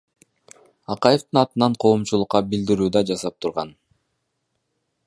Акаевдин атынан коомчулукка билдирүү да жасап турган.